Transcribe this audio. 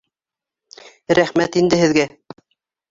Рәхмәт инде һеҙгә